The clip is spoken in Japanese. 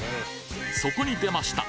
そこに出ました！